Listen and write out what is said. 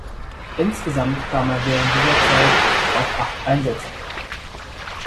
Insgesamt kam er während dieser Zeit auf acht Einsätze.